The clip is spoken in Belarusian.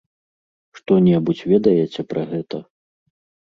Што-небудзь ведаеце пра гэта?